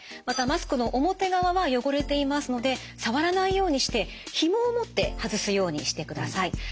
またマスクの表側は汚れていますので触らないようにしてひもを持って外すようにしてください。